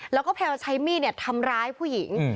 แล้วก็แพลวใช้มีดทำร้ายผู้หญิง